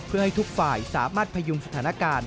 เพื่อให้ทุกฝ่ายสามารถพยุงสถานการณ์